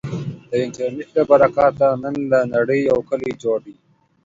د انټرنټ له برکته، نن له نړې یو کلی جوړ دی.